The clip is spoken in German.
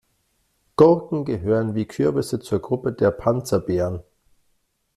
Gurken gehören wie Kürbisse zur Gruppe der Panzerbeeren.